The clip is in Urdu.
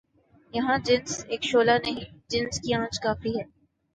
یہاں جنس اک شعلہ نہیں، جنس کی آنچ کافی ہے